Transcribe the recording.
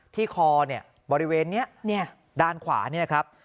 คอเนี่ยบริเวณนี้ด้านขวาเนี่ยนะครับ